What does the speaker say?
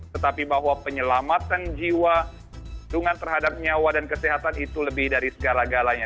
tetapi bahwa penyelamatan jiwa dengan terhadap nyawa dan kesehatan itu lebih dari segala galanya